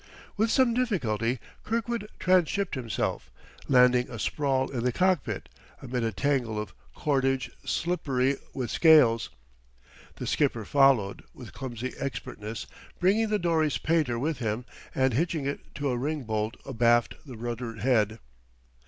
With some difficulty Kirkwood transhipped himself, landing asprawl in the cockpit, amid a tangle of cordage slippery with scales. The skipper followed, with clumsy expertness bringing the dory's painter with him and hitching it to a ring bolt abaft the rudder head.